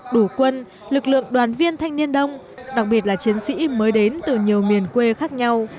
đủ quân lực lượng đoàn viên thanh niên đông đặc biệt là chiến sĩ mới đến từ nhiều miền quê khác nhau